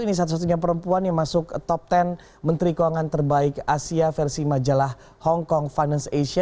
ini satu satunya perempuan yang masuk top sepuluh menteri keuangan terbaik asia versi majalah hong kong finance asia